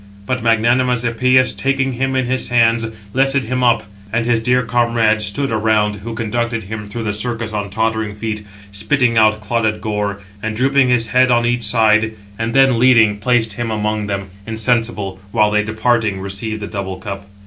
But magnanimous Epëus, taking [him] in his hands, lifted him up; and his dear comrades stood around, who conducted him through the circus on tottering feet, spitting out clotted gore, [and] drooping his head on each side; and then, leading, placed him among them, insensible, while they, departing, received the double cup.